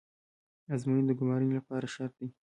ازموینه د ګمارنې لپاره شرط ده